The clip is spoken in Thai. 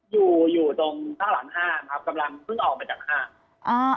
อยู่อยู่ตรงข้างหลังห้างครับกำลังเพิ่งออกมาจากห้างอ่า